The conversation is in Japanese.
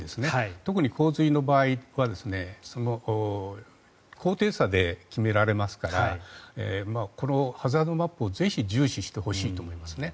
特に洪水の場合は高低差で決められますからこのハザードマップをぜひ重視してほしいと思います。